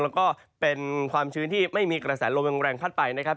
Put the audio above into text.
แล้วก็เป็นความชื้นที่ไม่มีกระแสลมแรงพัดไปนะครับ